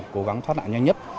cố gắng thoát nạn nhanh nhất